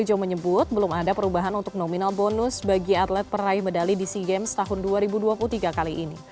jokowi menyebut belum ada perubahan untuk nominal bonus bagi atlet peraih medali di sea games tahun dua ribu dua puluh tiga kali ini